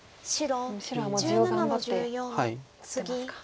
もう白は地を頑張って打ってますか。